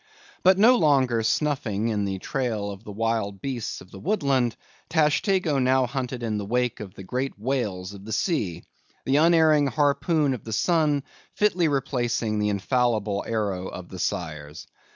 But no longer snuffing in the trail of the wild beasts of the woodland, Tashtego now hunted in the wake of the great whales of the sea; the unerring harpoon of the son fitly replacing the infallible arrow of the sires.